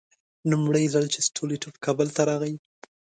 لومړی ځل چې ستولیتوف کابل ته راغی.